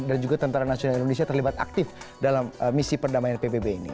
juga tentara nasional indonesia terlibat aktif dalam misi perdamaian pbb ini